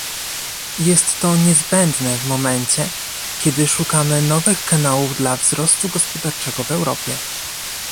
Jest to niezbędne w momencie, kiedy szukamy nowych kanałów dla wzrostu gospodarczego w Europie